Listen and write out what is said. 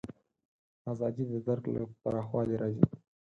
ازادي د درک له پراخوالي راځي.